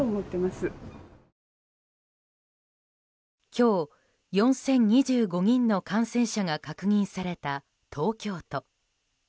今日、４０２５人の感染者が確認された東京都。